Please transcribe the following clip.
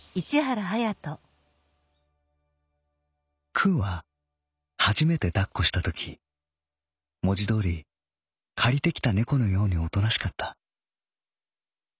「くうははじめて抱っこしたとき文字どおり借りてきた猫のようにおとなしかった。